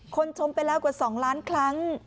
ชมไปแล้วกว่า๒ล้านครั้ง